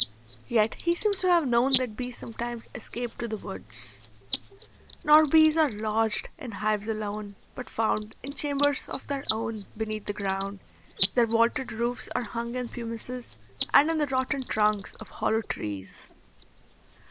Yet he seems to have known that bees sometimes escaped to the woods: "Nor bees are lodged in hives alone, but found In chambers of their own beneath the ground: Their vaulted roofs are hung in pumices, And in the rotten trunks of hollow trees."